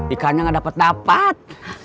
ikannya gak dapet dapet